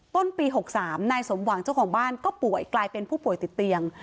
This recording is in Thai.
ต้นปี๖๓นายสมหวังเจ้าของบ้านก็ป่วยกลายเป็นผู้ป่วยติดเตียง